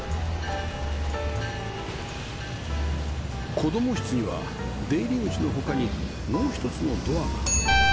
子供室には出入り口の他にもう１つのドアが